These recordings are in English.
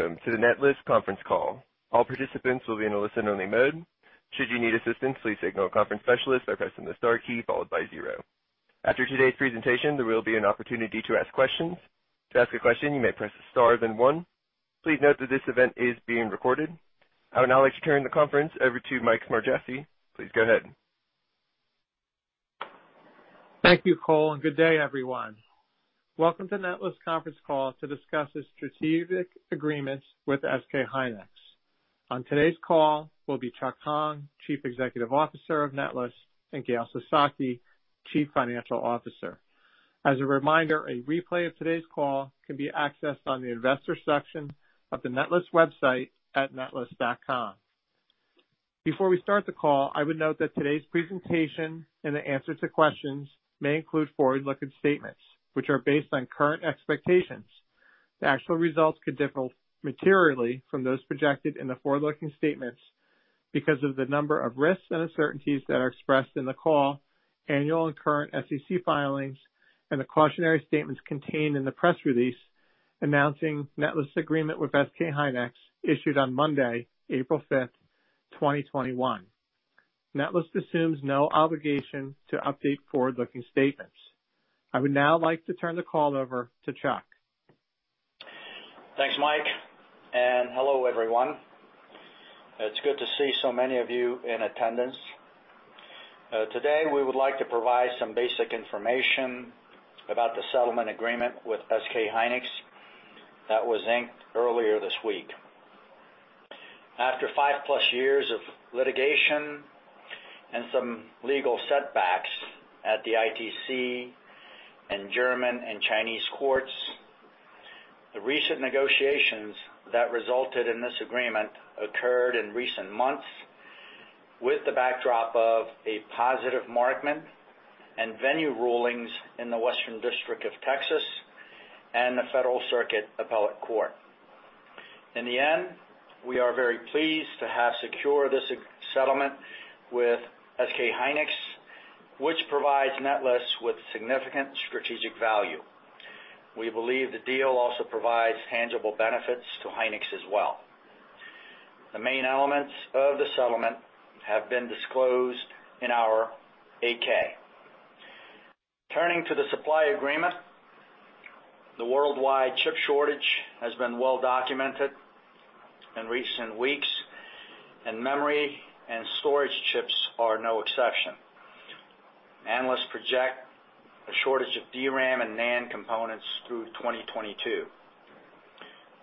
Welcome to the Netlist conference call. All participants will be in a listen-only mode. Should you need assistance, please signal a conference specialist by pressing the star key followed by zero. After today's presentation, there will be an opportunity to ask questions. To ask a question, you may press star then one. Please note that this event is being recorded. I would now like to turn the conference over to Mike Smargiassi. Please go ahead. Thank you, Cole, and good day, everyone. Welcome to Netlist conference call to discuss the strategic agreements with SK hynix. On today's call will be Chuck Hong, Chief Executive Officer of Netlist, and Gail Sasaki, Chief Financial Officer. As a reminder, a replay of today's call can be accessed on the investor section of the Netlist website at netlist.com. Before we start the call, I would note that today's presentation and the answer to questions may include forward-looking statements, which are based on current expectations. The actual results could differ materially from those projected in the forward-looking statements because of the number of risks and uncertainties that are expressed in the call, annual and current SEC filings, and the cautionary statements contained in the press release announcing Netlist's agreement with SK hynix, issued on Monday, April 5th, 2021. Netlist assumes no obligation to update forward-looking statements. I would now like to turn the call over to Chuck. Thanks, Mike. Hello, everyone. It's good to see so many of you in attendance. Today, we would like to provide some basic information about the settlement agreement with SK hynix that was inked earlier this week. After five-plus years of litigation and some legal setbacks at the ITC in German and Chinese courts, the recent negotiations that resulted in this agreement occurred in recent months with the backdrop of a positive Markman and venue rulings in the Western District of Texas and the Federal Circuit Appellate Court. In the end, we are very pleased to have secured this settlement with SK hynix, which provides Netlist with significant strategic value. We believe the deal also provides tangible benefits to Hynix as well. The main elements of the settlement have been disclosed in our 8-K. Turning to the supply agreement, the worldwide chip shortage has been well documented in recent weeks, and memory and storage chips are no exception. Analysts project a shortage of DRAM and NAND components through 2022.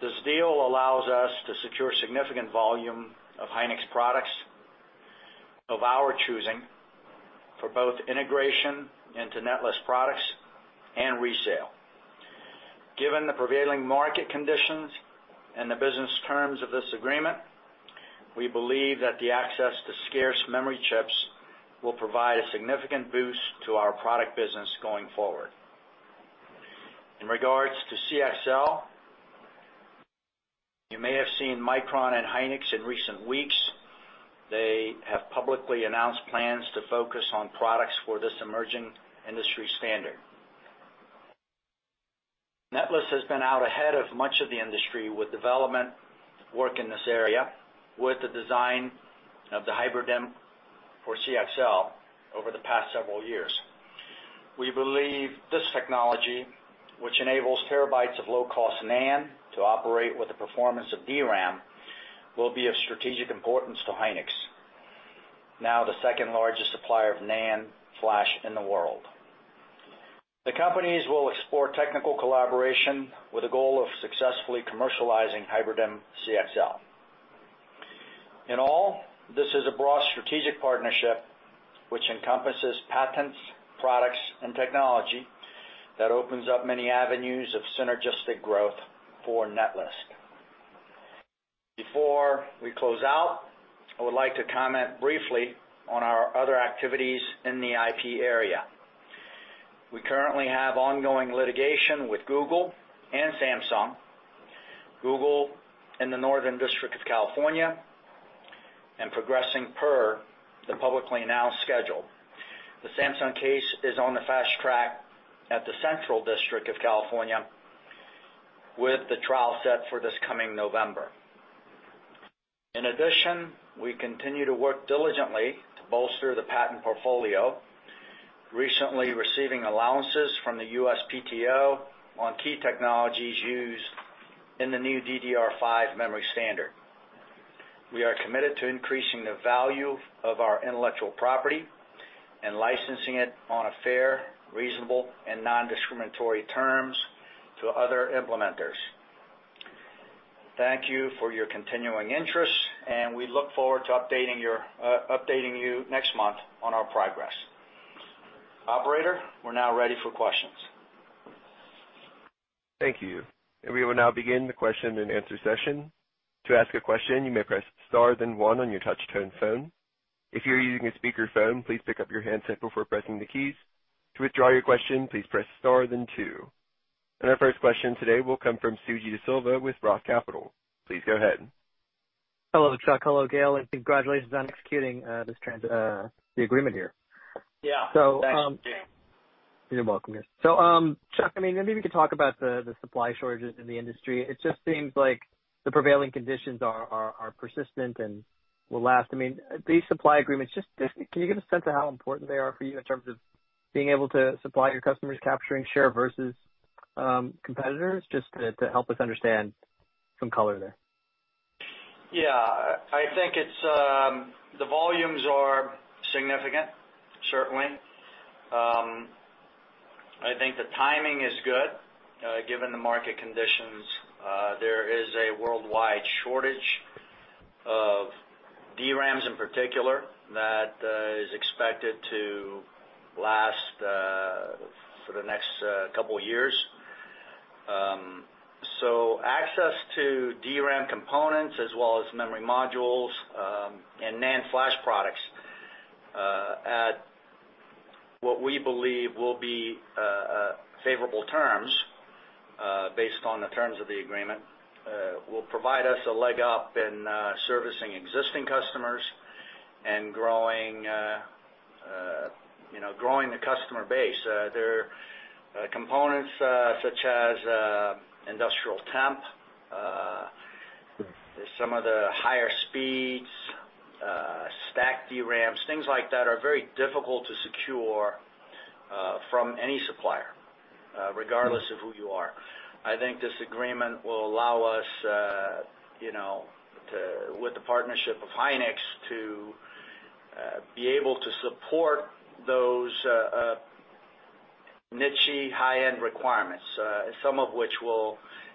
This deal allows us to secure significant volume of Hynix products of our choosing for both integration into Netlist products and resale. Given the prevailing market conditions and the business terms of this agreement, we believe that the access to scarce memory chips will provide a significant boost to our product business going forward. In regards to CXL, you may have seen Micron and Hynix in recent weeks. They have publicly announced plans to focus on products for this emerging industry standard. Netlist has been out ahead of much of the industry with development work in this area, with the design of the HybriDIMM for CXL over the past several years. We believe this technology, which enables terabytes of low-cost NAND to operate with the performance of DRAM, will be of strategic importance to Hynix, now the second-largest supplier of NAND flash in the world. The companies will explore technical collaboration with the goal of successfully commercializing HybriDIMM CXL. In all, this is a broad strategic partnership which encompasses patents, products, and technology that opens up many avenues of synergistic growth for Netlist. Before we close out, I would like to comment briefly on our other activities in the IP area. We currently have ongoing litigation with Google and Samsung. Google in the Northern District of California and progressing per the publicly announced schedule. The Samsung case is on the fast track at the Central District of California, with the trial set for this coming November. In addition, we continue to work diligently to bolster the patent portfolio, recently receiving allowances from the USPTO on key technologies used in the new DDR5 memory standard. We are committed to increasing the value of our intellectual property and licensing it on a fair, reasonable, and nondiscriminatory terms to other implementers. Thank you for your continuing interest, and we look forward to updating you next month on our progress. Operator, we're now ready for questions. Thank you. We will now begin the question and answer session. To ask a question, you may press star then one on your touch-tone phone. If you are using a speakerphone, please pick up your handset before pressing the keys. To withdraw your question, please press star then two. Our first question today will come from Suji DeSilva with Roth Capital. Please go ahead. Hello, Chuck. Hello, Gail, and congratulations on executing this transition, the agreement here. Yeah. Thanks, Suji. You're welcome. Chuck, maybe you could talk about the supply shortages in the industry. It just seems like the prevailing conditions are persistent and will last. These supply agreements, just can you give a sense of how important they are for you in terms of being able to supply your customers, capturing share versus competitors, just to help us understand some color there? Yeah. I think the volumes are significant, certainly. I think the timing is good, given the market conditions. There is a worldwide shortage of DRAMs in particular, that is expected to last for the next couple of years. Access to DRAM components as well as memory modules, and NAND flash products, at what we believe will be favorable terms, based on the terms of the agreement, will provide us a leg up in servicing existing customers and growing the customer base. There are components such as industrial temp, some of the higher speeds, stack DRAMs, things like that are very difficult to secure from any supplier, regardless of who you are. I think this agreement will allow us, with the partnership of Hynix, to be able to support those niche-y high-end requirements, some of which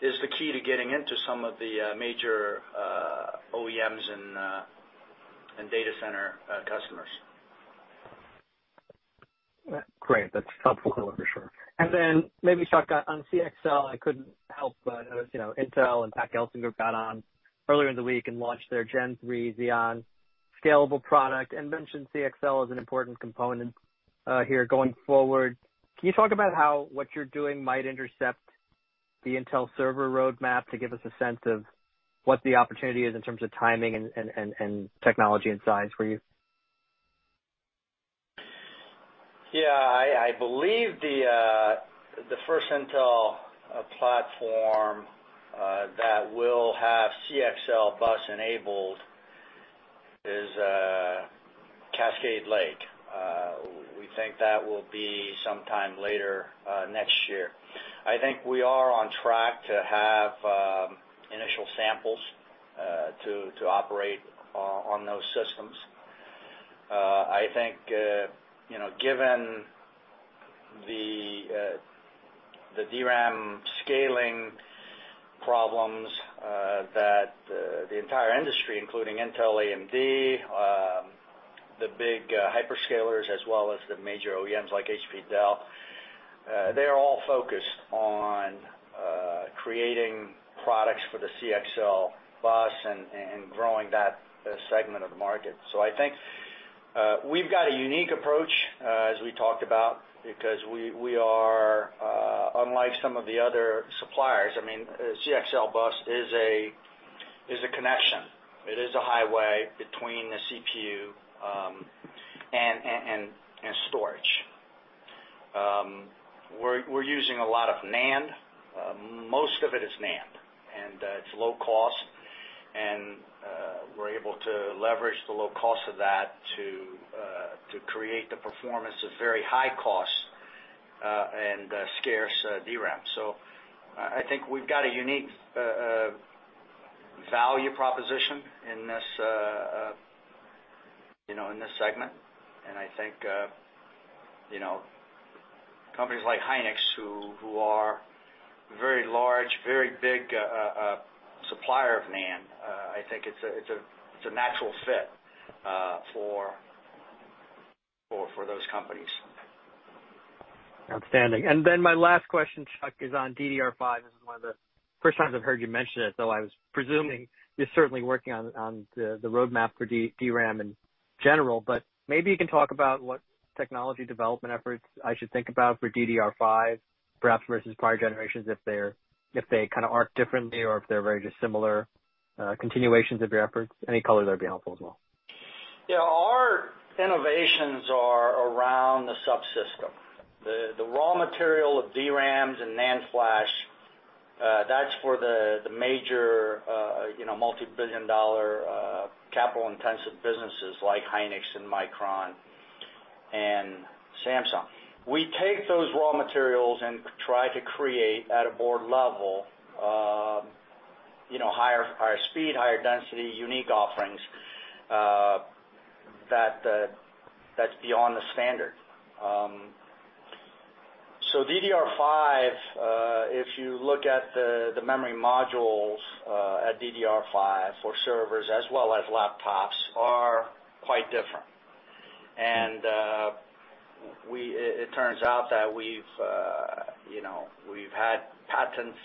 is the key to getting into some of the major OEMs and data center customers. Great. That's helpful color for sure. Then maybe, Chuck, on CXL, I couldn't help but notice Intel and Pat Gelsinger got on earlier in the week and launched their Gen 3 Xeon Scalable product and mentioned CXL as an important component here going forward. Can you talk about how what you're doing might intercept the Intel server roadmap to give us a sense of what the opportunity is in terms of timing and technology and size for you? I believe the first Intel platform that will have CXL bus enabled is Cascade Lake. We think that will be sometime later next year. I think we are on track to have initial samples to operate on those systems. I think, given the DRAM scaling problems that the entire industry, including Intel, AMD, the big hyperscalers, as well as the major OEMs like HP, Dell, they are all focused on creating products for the CXL bus and growing that segment of the market. I think we've got a unique approach, as we talked about, because we are unlike some of the other suppliers. CXL bus is a connection. It is a highway between the CPU and storage. We're using a lot of NAND. Most of it is NAND, and it's low cost, and we're able to leverage the low cost of that to create the performance of very high cost and scarce DRAM. I think we've got a unique value proposition in this segment, and I think companies like Hynix, who are very large, very big supplier of NAND, I think it's a natural fit for those companies. Outstanding. My last question, Chuck, is on DDR5. This is one of the first times I've heard you mention it, though I was presuming you're certainly working on the roadmap for DRAM in general. Maybe you can talk about what technology development efforts I should think about for DDR5 perhaps versus prior generations, if they kind of arc differently or if they're very just similar continuations of your efforts. Any color there would be helpful as well. Yeah, our innovations are around the subsystem. The raw material of DRAM and NAND flash, that's for the major multibillion-dollar capital intensive businesses like Hynix and Micron and Samsung. We take those raw materials and try to create, at a board level, higher speed, higher density, unique offerings that's beyond the standard. DDR5, if you look at the memory modules at DDR5 for servers as well as laptops, are quite different. It turns out that we've had patents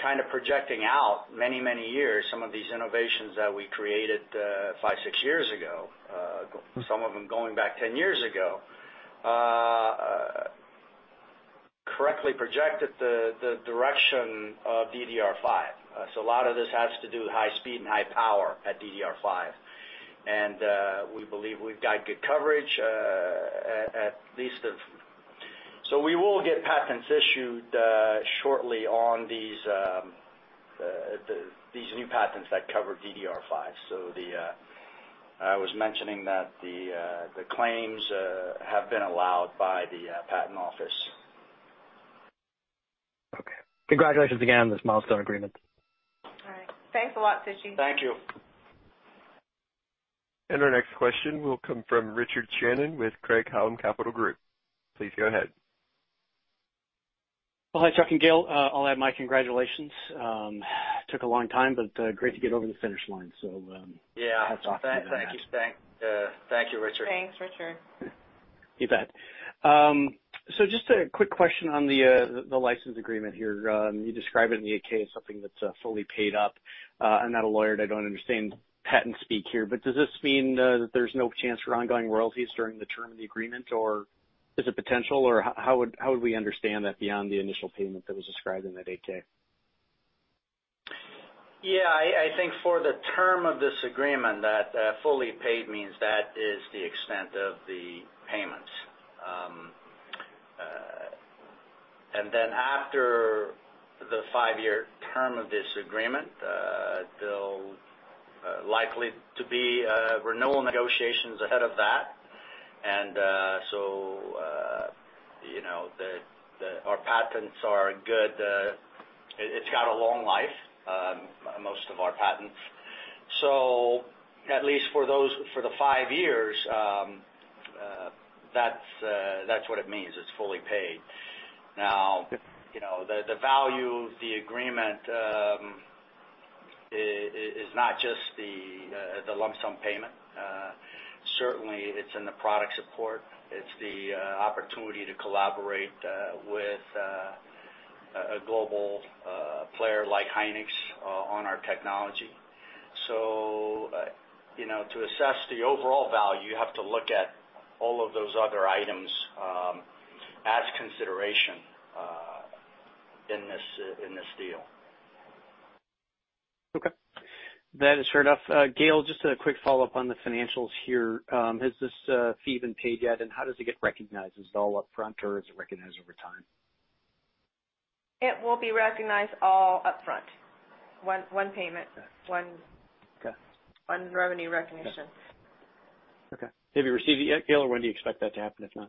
kind of projecting out many, many years some of these innovations that we created five, six years ago, some of them going back 10 years ago. Correctly projected the direction of DDR5. A lot of this has to do with high speed and high power at DDR5. We believe we've got good coverage. We will get patents issued shortly on these new patents that cover DDR5. I was mentioning that the claims have been allowed by the Patent Office. Okay. Congratulations again on this milestone agreement. All right. Thanks a lot, Suji. Thank you. Our next question will come from Richard Shannon with Craig-Hallum Capital Group. Please go ahead. Hi, Chuck and Gail. I'll add my congratulations. Took a long time, but great to get over the finish line. Yeah. Hats off to you on that. Thank you, Richard. Thanks, Richard. You bet. Just a quick question on the license agreement here. You describe it in the 8-K as something that's fully paid up. I'm not a lawyer, and I don't understand patent speak here, but does this mean that there's no chance for ongoing royalties during the term of the agreement, or is it potential? How would we understand that beyond the initial payment that was described in that 8-K? Yeah, I think for the term of this agreement, that fully paid means that is the extent of the payments. After the five-year term of this agreement, there'll likely to be renewal negotiations ahead of that. Our patents are good. It's got a long life, most of our patents. At least for the five years, that's what it means. It's fully paid. Now, the value of the agreement is not just the lump sum payment. Certainly, it's in the product support. It's the opportunity to collaborate with a global player like Hynix on our technology. To assess the overall value, you have to look at all of those other items as consideration in this deal. Okay. That is fair enough. Gail, just a quick follow-up on the financials here. Has this fee been paid yet, and how does it get recognized? Is it all upfront, or is it recognized over time? It will be recognized all upfront. One payment. Okay. One revenue recognition. Okay. Have you received it yet, Gail, or when do you expect that to happen, if not?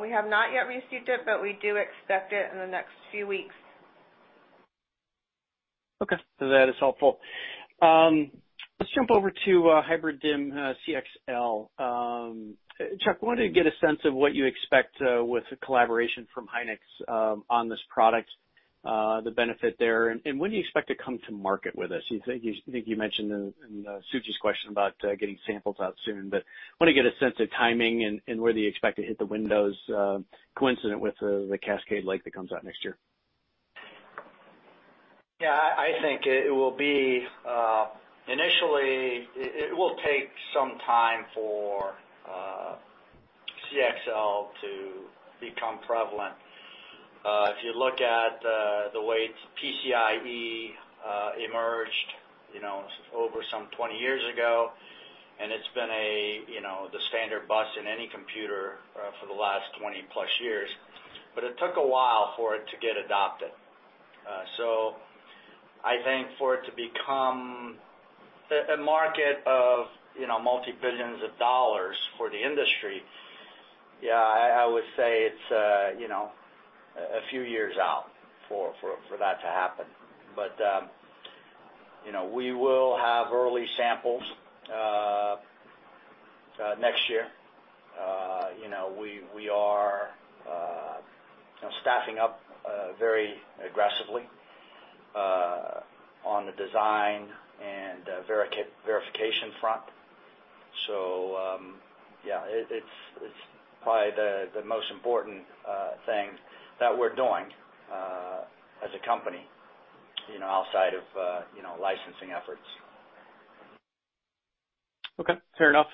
We have not yet received it, but we do expect it in the next few weeks. Okay. That is helpful. Let's jump over to HybriDIMM CXL. Chuck, I wanted to get a sense of what you expect with the collaboration from Hynix on this product, the benefit there, and when do you expect to come to market with this? I think you mentioned in Suji's question about getting samples out soon, but want to get a sense of timing and where do you expect to hit the windows coincident with the Sapphire Rapids that comes out next year? I think initially, it will take some time for CXL to become prevalent. If you look at the way PCIe emerged over some 20 years ago, and it's been the standard bus in any computer for the last 20+ years, but it took a while for it to get adopted. I think for it to become a market of multi-billions of USD for the industry, yeah, I would say it's a few years out for that to happen. We will have early samples next year. We are staffing up very aggressively on the design and verification front. Yeah, it's probably the most important thing that we're doing as a company outside of licensing efforts. Okay. Fair enough.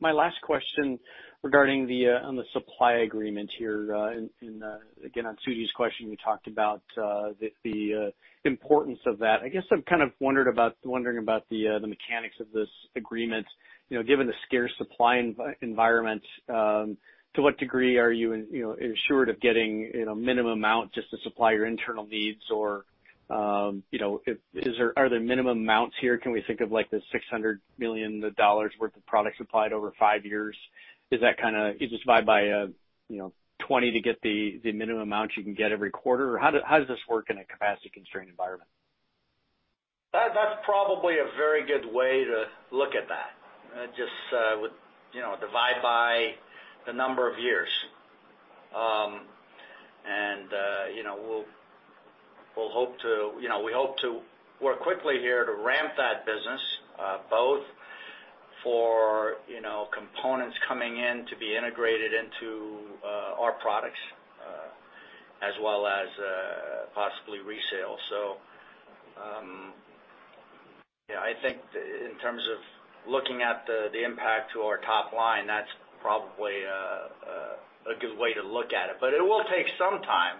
My last question regarding on the supply agreement here, again, on Suji's question, you talked about the importance of that. I guess I'm kind of wondering about the mechanics of this agreement. Given the scarce supply environment, to what degree are you assured of getting minimum amount just to supply your internal needs? Or are there minimum amounts here? Can we think of, like, the $600 million worth of product supplied over five years? Do you divide by 20 to get the minimum amount you can get every quarter? How does this work in a capacity-constrained environment? That's probably a very good way to look at that. Just divide by the number of years. We hope to work quickly here to ramp that business, both for components coming in to be integrated into our products as well as possibly resale. Yeah, I think in terms of looking at the impact to our top line, that's probably a good way to look at it, but it will take some time.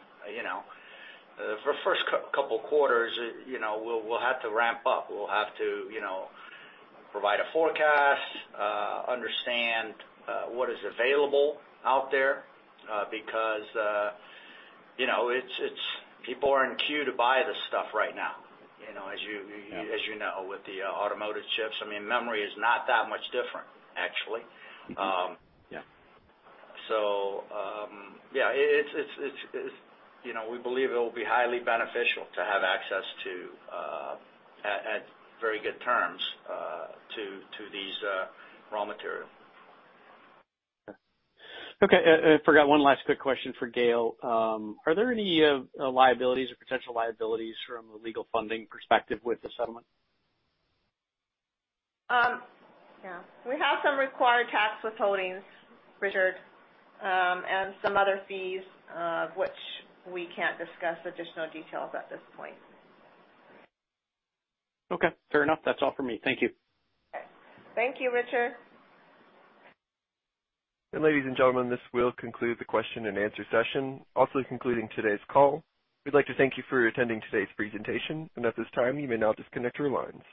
For first couple quarters, we'll have to ramp up. We'll have to provide a forecast, understand what is available out there, because people are in queue to buy this stuff right now, as you know, with the automotive chips. I mean, memory is not that much different, actually. Yeah. Yeah. We believe it will be highly beneficial to have access at very good terms to these raw material. Okay. I forgot one last quick question for Gail. Are there any liabilities or potential liabilities from a legal funding perspective with the settlement? Yeah. We have some required tax withholdings, Richard, and some other fees, which we can't discuss additional details at this point. Okay. Fair enough. That's all for me. Thank you. Thank you, Richard. Ladies and gentlemen, this will conclude the question and answer session, also concluding today's call. We'd like to thank you for attending today's presentation, and at this time, you may now disconnect your lines.